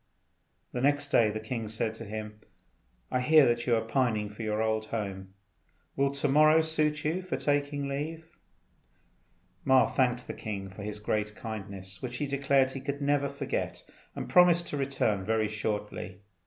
The next day the king said to him, "I hear that you are pining after your old home. Will to morrow suit you for taking leave?" Ma thanked the king for his great kindness, which he declared he could never forget, and promised to return very shortly.